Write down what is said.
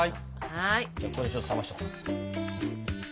じゃあここでちょっと冷ましとこう。